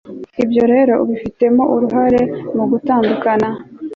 bityo rero afitemo uruhare mu gutandukana